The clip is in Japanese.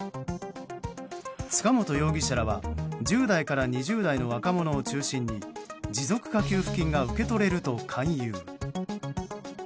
塚本容疑者らは１０代から２０代の若者を中心に持続化給付金が受け取れると勧誘。